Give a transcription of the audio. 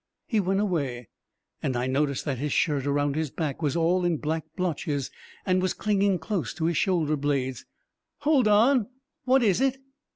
He went away, and I noticed that his shirt around his back was all in black blotches and was clinging close to his shoulder blades. "Hold on, what is it?"